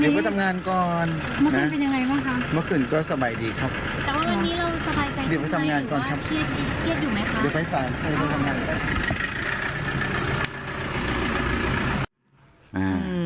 เมื่อคืนก็สบายดีครับครูคะสบายใจครับสวัสดีครับ